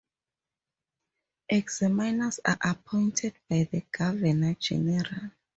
Examiners are appointed by the Governor General.